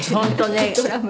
本当ね。